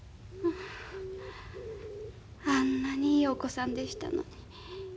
あんなにいいお子さんでしたのに。